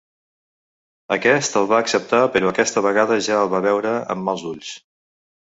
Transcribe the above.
Aquest el va acceptar però aquesta vegada ja el va veure amb mals ulls.